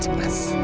terima kasih ibu